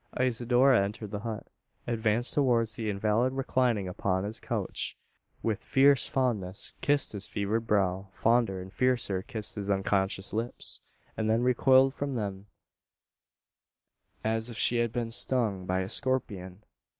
Isidora entered the hut; advanced towards the invalid reclining upon his couch; with fierce fondness kissed his fevered brow, fonder and fiercer kissed his unconscious lips; and then recoiled from them, as if she had been stung by a scorpion!